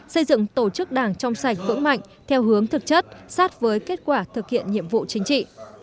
xây dựng tổ chức đảng trong sạch vững mạnh theo hướng thực chất sát với kết quả thực hiện nhiệm vụ chính trị